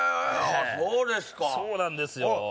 そうですかそうなんですよ